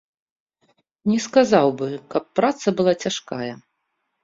Не сказаў бы, каб праца была цяжкая.